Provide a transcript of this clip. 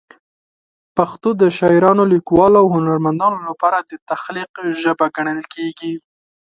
پښتو د شاعرانو، لیکوالو او هنرمندانو لپاره د تخلیق ژبه ګڼل کېږي.